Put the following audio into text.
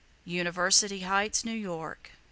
University Heights, New York, W.